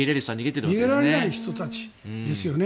逃げられない人たちですよね。